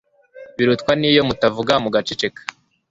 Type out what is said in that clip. Birutwa n'iyo mutavuga mugaceceka